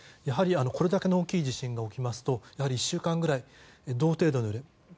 やはり、これだけの大きな地震が起きますと１週間ぐらい同程度の揺れ。